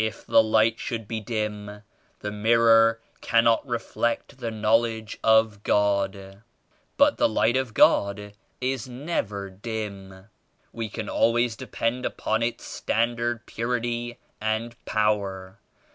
If the Light should be dim the mirror cannot reflect the Knowledge of God. But the Light of God is never dim. We can always de pend upon its standard purity and power.